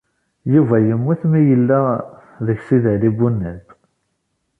Yuba yemmut mi yella deg Sidi Ɛli Bunab.